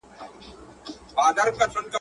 وږی په خوب ټيکۍ ويني.